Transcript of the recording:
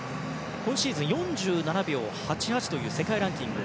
今シーズン、４７秒８８という世界ランキング。